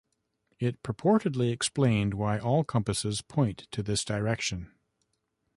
It purportedly explained why all compasses point to this location.